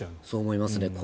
そう思いますね。